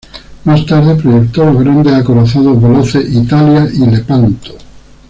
Más tarde, proyectó los grandes acorazados veloces "Italia" y "Lepanto".